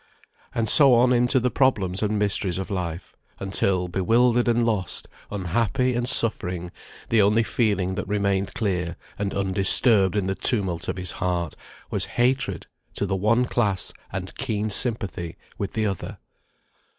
And so on into the problems and mysteries of life, until, bewildered and lost, unhappy and suffering, the only feeling that remained clear and undisturbed in the tumult of his heart, was hatred to the one class and keen sympathy with the other.